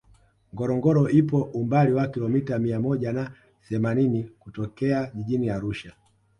ngorongoro ipo umbali wa kilomita mia moja na themanini kutokea jijini arusha